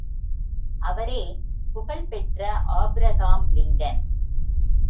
அவரே புகழ் பெற்ற ஆபிரகாம் லிங்கன்!